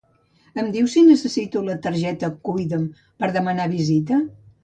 Em dius si necessito la targeta Cuida'm per demanar visita?